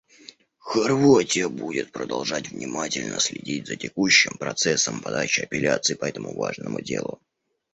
Хорватия будет продолжать внимательно следить за текущим процессом подачи апелляций по этому важному делу.